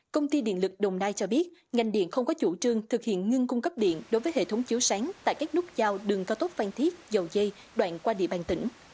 công ty điện lực đồng nai cho biết ngành điện không có chủ trương thực hiện ngưng cung cấp điện đối với hệ thống chiếu sáng tại các nút giao đường cao tốc phan thiết dầu dây đoạn qua địa bàn tỉnh